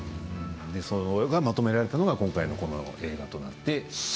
それがまとめられたのが今回、映画となって。